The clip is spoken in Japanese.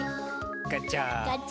ガチャ。